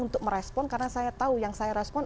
untuk merespon karena saya tahu yang saya respon